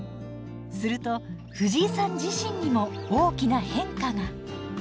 するとフジイさん自身にも大きな変化が。